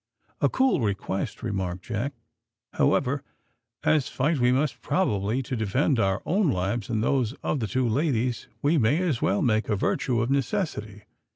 "A cool request," remarked Jack; "however, as fight we must probably to defend our own lives and those of the two ladies, we may as well make a virtue of necessity.